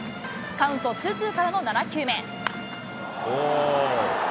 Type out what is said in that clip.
カウントツーツーからの７球目。